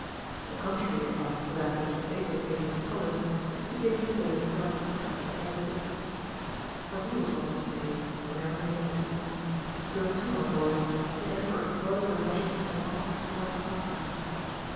The contrary advice to that which Plato gave his schol ars is to be given to those Λνΐιο are concerned in public business. For he was wont to say, whenever he left his school ; Go to, my boys, see that you employ your leisure in some honest sport and pastime.